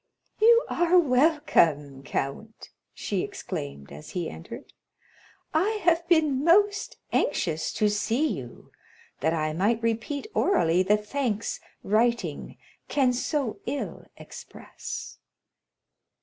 "You are welcome, count!" she exclaimed, as he entered. "I have been most anxious to see you, that I might repeat orally the thanks writing can so ill express."